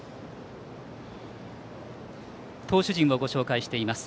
投手陣をご紹介します。